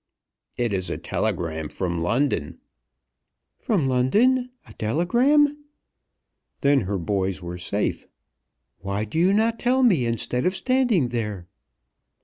"It is a telegram from London." From London a telegram! Then her boys were safe. "Why do you not tell me instead of standing there?"